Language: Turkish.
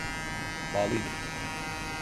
Bağlıydım.